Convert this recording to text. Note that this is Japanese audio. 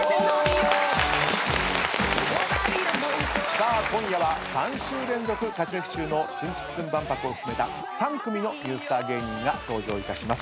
さあ今夜は３週連続勝ち抜き中のツンツクツン万博を含めた３組のニュースター芸人が登場いたします。